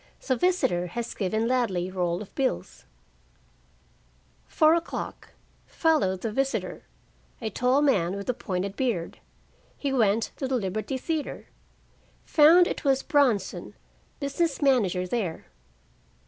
The visitor has given Ladley roll of bills. 4:00 Followed the visitor, a tall man with a pointed beard. He went to the Liberty Theater. Found it was Bronson, business manager there.